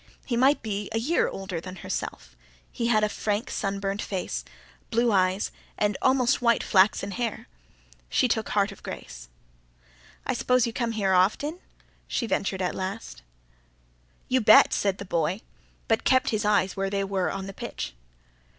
He might be a year older than herself; he had a frank, sunburnt face, blue eyes, and almost white flaxen hair. She took heart of grace. "I s'pose you often come here?" she ventured at last. "You bet!" said the boy; but kept his eyes where they were on the pitch.